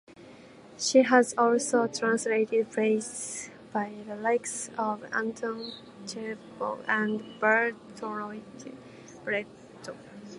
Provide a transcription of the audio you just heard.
She has also translated plays by the likes of Anton Chekhov and Bertolt Brecht.